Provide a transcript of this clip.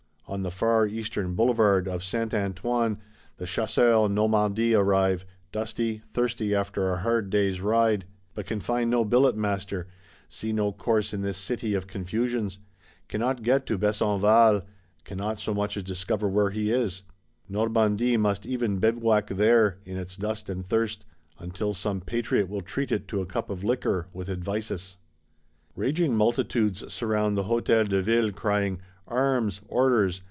On the far Eastern Boulevard, of Saint Antoine, the Chasseurs Normandie arrive, dusty, thirsty, after a hard day's ride; but can find no billet master, see no course in this City of confusions; cannot get to Besenval, cannot so much as discover where he is: Normandie must even bivouac there, in its dust and thirst,—unless some patriot will treat it to a cup of liquor, with advices. Raging multitudes surround the Hôtel de Ville, crying: Arms! Orders!